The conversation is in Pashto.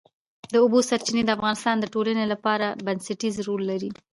د اوبو سرچینې د افغانستان د ټولنې لپاره بنسټيز رول لري.